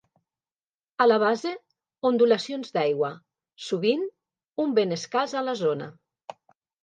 A la base, ondulacions d'aigua, sovint, un ben escàs a la zona.